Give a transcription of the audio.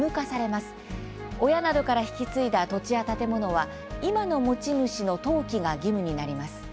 親などから引き継いだ土地や建物は今の持ち主の登記が義務になります。